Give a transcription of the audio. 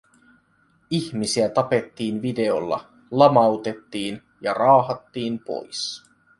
Ihmisiä tapettiin videolla, lamautettiin ja raahattiin pois.